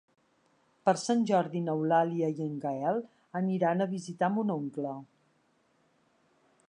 Per Sant Jordi n'Eulàlia i en Gaël aniran a visitar mon oncle.